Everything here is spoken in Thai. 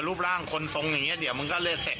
รูปร่างคนทรงอย่างนี้เดี๋ยวมันก็เลยเสร็จ